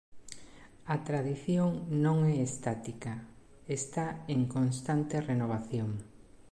A tradición non é estática, está en constante renovación.